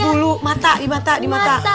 bulu mata di mata